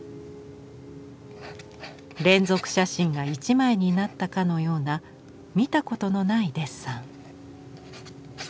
連続写真が一枚になったかのような見たことのないデッサン。